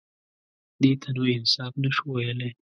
_دې ته نو انصاف نه شو ويلای.